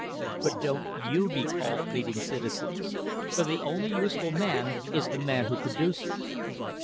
But don't you be called leading citizens, for the only useful man is the man who produces.